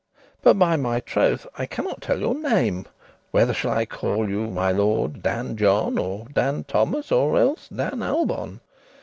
But by my troth I cannot tell your name; Whether shall I call you my lord Dan John, Or Dan Thomas, or elles Dan Albon?